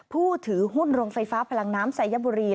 ผู้ถือหุ้นโรงไฟฟ้าพลังน้ำสายบุรี